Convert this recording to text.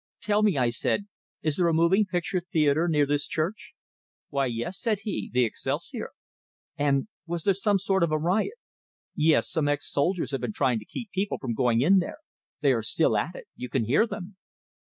"Tell me," I said, "is there a moving picture theatre near this church?" "Why, yes," said he. "The Excelsior." "And was there some sort of riot?" "Yes. Some ex soldiers have been trying to keep people from going in there. They are still at it. You can hear them."